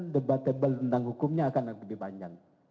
debatable tentang hukumnya akan lebih panjang